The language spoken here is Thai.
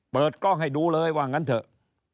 เปิดกล้องให้ดูเลยว่างั้นเถอะ